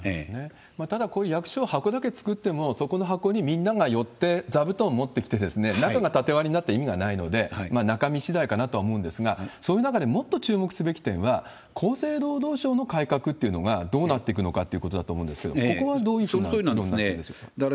ただ、これ、役所、箱だけ作っても、そこの箱にみんなが寄って、座布団を持ってきて、中が縦割りになったら意味がないので、中身しだいかなとは思うんですが、そういう中で、もっと注目すべき点は、厚生労働省の改革というのがどうなっていくのかってことだと思うんですけど、ここはどういうふうな考えでしょうか？